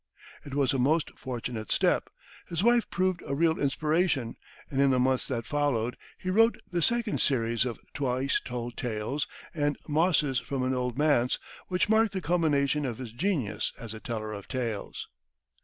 It was a most fortunate step; his wife proved a real inspiration, and in the months that followed, he wrote the second series of "Twice Told Tales," and "Mosses from an Old Manse," which mark the culmination of his genius as a teller of tales.